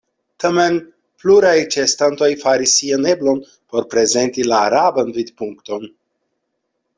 Tamen pluraj ĉeestantoj faris sian eblon por prezenti la araban vidpunkton.